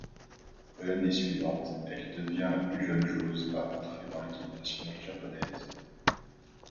L'année suivante, elle devient la plus jeune joueuse à entrer dans l'équipe nationale japonaise.